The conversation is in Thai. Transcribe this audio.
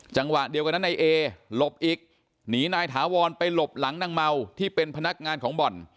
จังหวะเดียวกันนั้นนายเอหลบอีกหนีนายถาวรไปหลบหลังนางเมาที่เป็นพนักงานของบ่อน